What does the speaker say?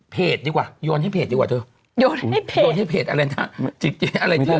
ดีกว่าโยนให้เพจดีกว่าเธอโยนให้เพจโยนให้เพจอะไรนะจิกเจ๊อะไรเธอ